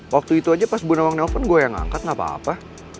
waktu itu aja pas bu nawang nelfon gue yang ngangkat gak apa apa